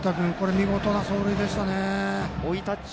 見事な走塁でしたね。